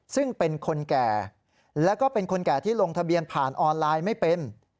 ซึ่งเป็นคนแก่แล้วก็เป็นคนแก่ที่ลงทะเบียนผ่านออนไลน์ไม่เป็น